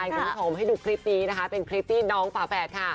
ขอให้ดูคลิปนี้นะคะเป็นคลิปที่น้องสาวแฟด